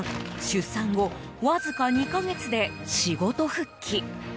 出産後わずか２か月で仕事復帰。